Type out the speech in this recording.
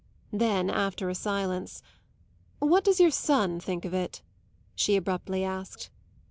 Then after a silence, "What does your son think of it?" she abruptly asked.